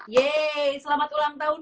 yeay selamat ulang tahun